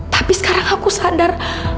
tapi sekarang aku sadar